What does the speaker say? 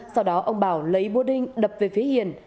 sau đó ông bảo lấy búa đinh đập về phía hiền